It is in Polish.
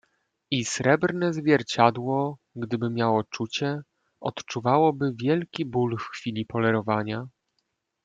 "„I srebrne zwierciadło, gdyby miało czucie, odczuwało by wielki ból w chwili polerowania."